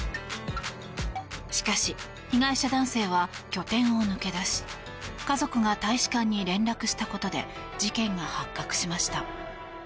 しかし、被害者男性は拠点を抜け出し家族が大使館に連絡したことで事件が発覚しました。